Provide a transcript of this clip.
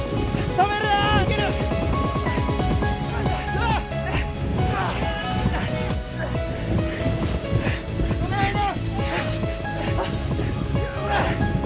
止めないで！